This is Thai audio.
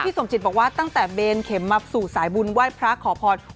สมจิตบอกว่าตั้งแต่เบนเข็มมาสู่สายบุญไหว้พระขอพร